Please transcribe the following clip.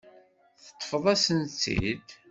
Teṭṭfeḍ-asent-tt-id.